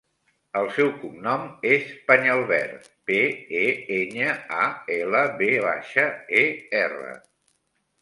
El seu cognom és Peñalver: pe, e, enya, a, ela, ve baixa, e, erra.